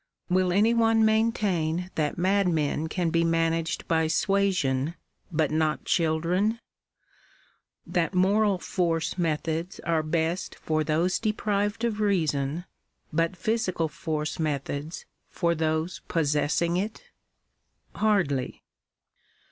Will any one maintain that madmen can be managed by suasion, but not children ? that moral force methods are best for those deprived of reason, but physical force methods for those possessing it? Hardly.